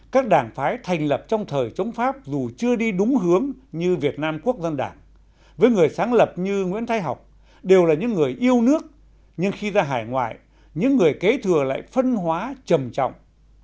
hai về những người sáng lập trong thời chống pháp dù chưa đi đúng hướng như việt nam quốc dân đảng với người sáng lập như nguyễn thái học đều là những người yêu nước nhưng khi ra hải ngoại những người kế thừa lại phân hóa trầm trọng